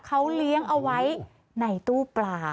เขาเลี้ยงเอาไว้ในตู้ปลา